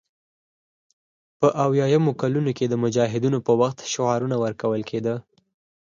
په اویایمو کلونو کې د مجاهدینو په وخت کې شعارونه ورکول کېدل